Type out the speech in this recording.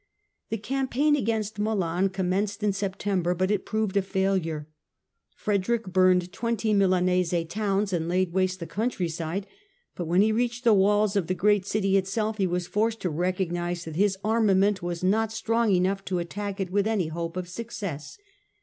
The campaign against Milan commenced in September, but it proved a failure. Frederick burned twenty Milanese towns and laid waste the countryside, but when he reached the walls of the great city itself he was forced to recognise that his armament was not strong enough to attack it with any hope of success.